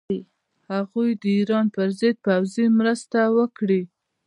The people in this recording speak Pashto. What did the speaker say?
هغوی د ایران پر ضد پوځي مرسته وکړي.